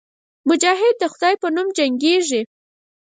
مجاهد د خدای په نوم جنګېږي.